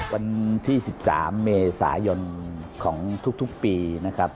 วันที่๑๓เมษายนของทุกปีนะครับ